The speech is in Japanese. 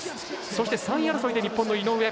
そして３位争いで日本の井上。